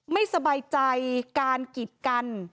ไม่สบายใจการกิจกัน